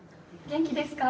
元気ですか？